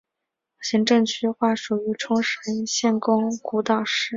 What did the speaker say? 行政区划属于冲绳县宫古岛市。